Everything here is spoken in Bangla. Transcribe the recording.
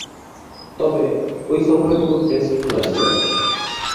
তবে, ঐ সফরে কোন টেস্ট খেলা ছিল না।